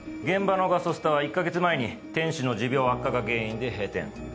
現場のガソスタは１か月前に店主の持病悪化が原因で閉店。